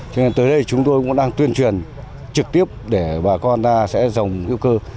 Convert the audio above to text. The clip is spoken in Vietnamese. cho nên tới đây chúng tôi cũng đang tuyên truyền trực tiếp để bà con ta sẽ dòng hữu cơ